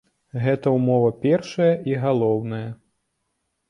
Гэта ўмова першая і галоўная.